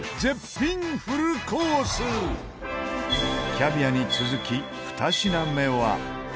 キャビアに続き２品目は。